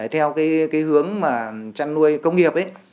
theo cái hướng mà chăn nuôi công nghiệp ấy